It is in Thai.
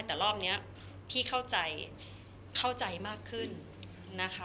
แต่รอบนี้พี่เข้าใจเข้าใจมากขึ้นนะคะ